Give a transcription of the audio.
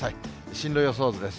進路予想図です。